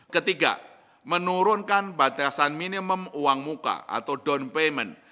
ketiga menurunkan batasan minimum uang muka atau down payment